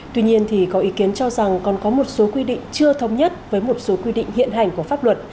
tuy nhiên thì có ý kiến cho rằng còn có một số quy định chưa thống nhất với một số quy định hiện hành của pháp luật